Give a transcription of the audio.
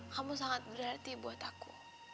kamu sangat berarti buat aku